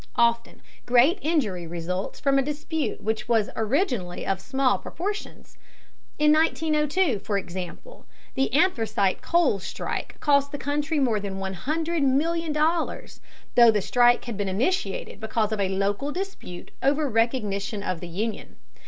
Often great injury results from a dispute which originally was of small proportions. In 1902, for example, the anthracite coal strike cost the country more than $100,000,000, though the strike had been initiated because of a local dispute over recognition of the union.